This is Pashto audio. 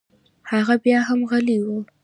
هغه بيا هم غلى و.